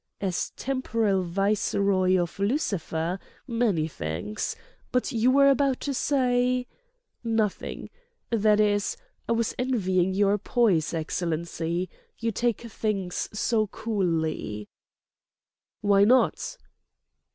"As temporal viceroy of Lucifer? Many thanks! But you were about to say—?" "Nothing. That is—I was envying your poise, Excellency. You take things so coolly." "Why not?"